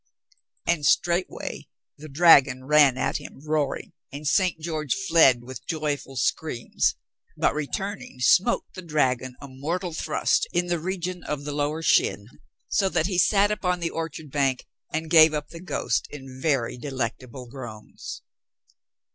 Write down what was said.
And straightway the dragon ran at him roaring and St. George fled with joyful screams, but re turning smote the dragon a mortal thrust in the region of the lower shin, so that he sat upon the or chard bank and gave up the ghost in very delectable groans.